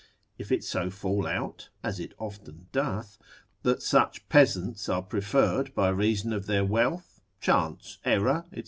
If it so fall out (as often it doth) that such peasants are preferred by reason of their wealth, chance, error, &c.